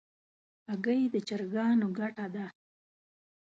هګۍ د چرګانو ګټه ده.